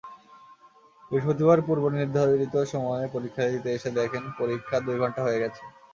বৃহস্পতিবার পূর্বনির্ধারিত সময়ে পরীক্ষা দিতে এসে দেখেন, পরীক্ষা দুই ঘণ্টা হয়ে গেছে।